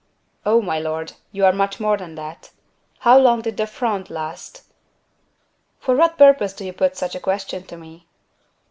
"Oh! my lord, you are much more than that. How long did the Fronde last?" "For what purpose do you put such a question to me?"